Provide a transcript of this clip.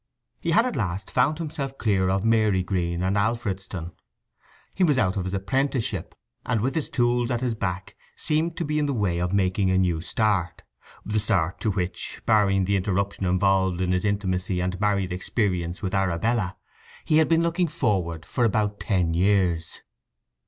He had at last found himself clear of Marygreen and Alfredston: he was out of his apprenticeship, and with his tools at his back seemed to be in the way of making a new start—the start to which, barring the interruption involved in his intimacy and married experience with Arabella, he had been looking forward for about ten years.